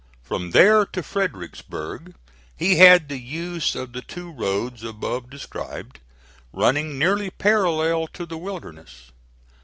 From there to Fredericksburg he had the use of the two roads above described running nearly parallel to the Wilderness.